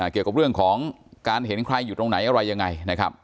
เกี่ยวกับเรื่องของการเห็นใครอยู่ตรงไหนอะไรยังไงนะครับ